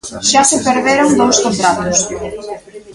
Xa se perderon dous contratos.